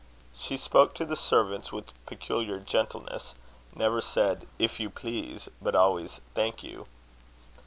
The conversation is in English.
She spoke to the servants with peculiar gentleness; never said, if you please; but always, thank you.